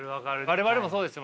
我々もそうでしたもん。